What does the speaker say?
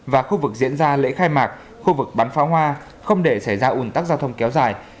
và khu vực diễn ra lễ khai mạc khu vực bắn pháo hoa không để xảy ra ủn tắc giao thông kéo dài